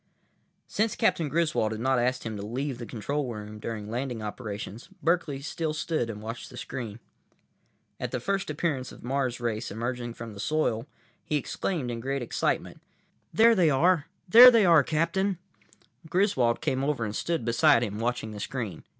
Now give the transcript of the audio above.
———— Since Captain Griswold had not asked him to leave the control room during landing operations, Berkeley still stood and watched the screen. At the first appearance of the Mars race emerging from the soil, he exclaimed in great excitement: "There they are! There they are, Captain!" Griswold came over and stood beside him, watching the screen.